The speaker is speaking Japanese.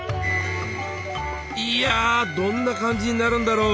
いやどんな感じになるんだろう？